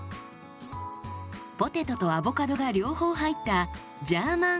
ポテトとアボカドが両方入ったジャーマンアボカドポテト。